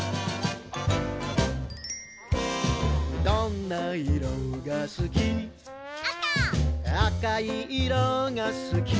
「どんな色がすき」